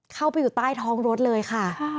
เข้าไปถ้องรถเลยค่ะ